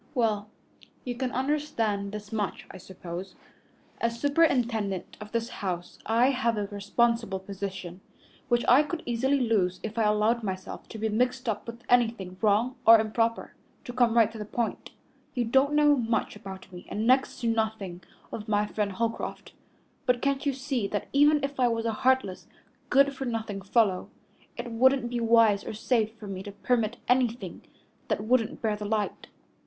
"Well, you can understand this much, I suppose. As superintendent of this house I have a responsible position, which I could easily lose if I allowed myself to be mixed up with anything wrong or improper. To come right to the point, you don't know much about me and next to nothing of my friend Holcroft, but can't you see that even if I was a heartless, good for nothing fellow, it wouldn't be wise or safe for me to permit anything that wouldn't bear the light?"